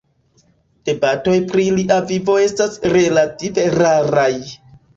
Detaloj pri lia vivo estas relative raraj.